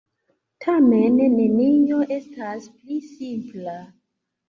Tamen, nenio estas pli simpla.